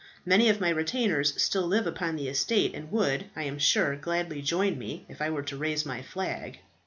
Many of my retainers still live upon the estate, and would; I am sure, gladly join me, if I were to raise my flag.